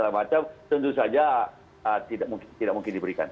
macam tentu saja tidak mungkin diberikan